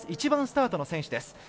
１番スタートの選手です。